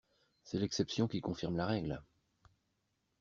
C’est l’exception qui confirme la règle.